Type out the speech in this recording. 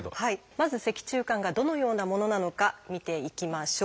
まず脊柱管がどのようなものなのか見ていきましょう。